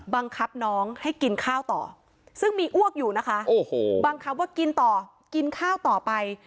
บังคับน้องให้กินข้าวต่อซึ่งมีอ้วกอยู่นะคะโอ้โหบังคับว่ากินต่อกินข้าวต่อไป